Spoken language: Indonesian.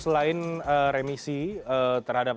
selain remisi terhadap